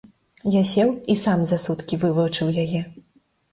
Я сеў і сам за суткі вывучыў яе.